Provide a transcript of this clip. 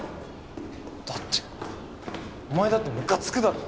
だってお前だってムカつくだろ？